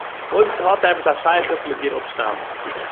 אויב ס'האָט עפּעס אַ שייכות מיט איר אָפּשטאַם